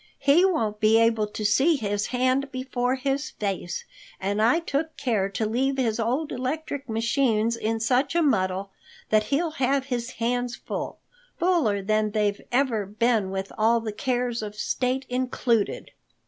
"He won't be able to see his hand before his face, and I took care to leave his old electric machines in such a muddle that he'll have his hands full—fuller than they've ever been with all the cares of state included."